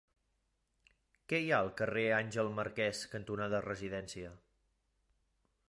Què hi ha al carrer Àngel Marquès cantonada Residència?